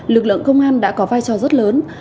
lực lượng công an đã có vai trò rất lớn